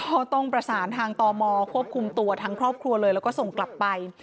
ก็ต้องประสานทางตมควบคุมตัวทั้งครอบครัวเลยแล้วก็ส่งกลับไป